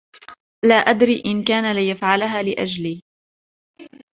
لا أدري إن كان ليفعلها لأجلي.